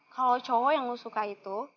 kalau cowok yang lu suka itu